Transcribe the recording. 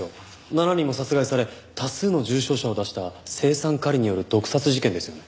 ７人も殺害され多数の重症者を出した青酸カリによる毒殺事件ですよね。